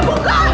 siapa sih kalian